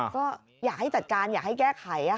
ก็อยากให้จัดการอยากให้แก้ไข